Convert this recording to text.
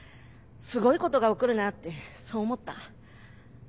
すごいことが起こるなってそう思った。